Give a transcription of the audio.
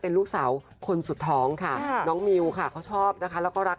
เอาคนอื่นแบบว่าสบายไว้ก่อน